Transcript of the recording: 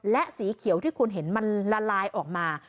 และสีเขียวที่คุณเห็นมันละลายออกมา